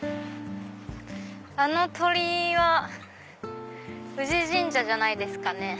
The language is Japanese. あの鳥居は宇治神社じゃないですかね。